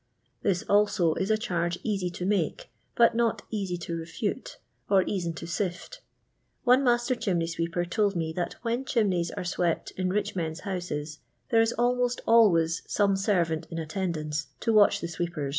This, also, is a charge easy to make, but not easy to refute, or even to sift. One master chim ney sweeper told me that when chimneys are swept in rich men's houses there is almost always some servant in attendance to watch the sweepen.